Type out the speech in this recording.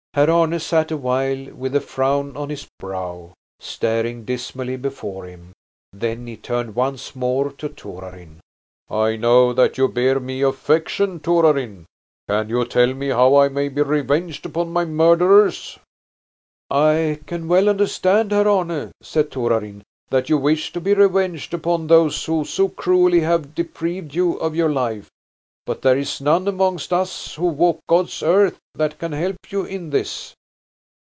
Herr Arne sat awhile with a frown on his brow, staring dismally before him. Then he turned once more to Torarin. "I know that you bear me affection, Torarin. Can you tell me how I may be revenged upon my murderers?" "I can well understand, Herr Arne," said Torarin, "that you wish to be revenged upon those who so cruelly have deprived you of your life. But there is none amongst us who walk God's earth that can help you in this."